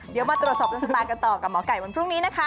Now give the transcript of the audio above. เดี๋ยวมาตรวจสอบแล้วสตากันต่อกับหมอก่ายเหมือนพรุ่งนี้นะคะ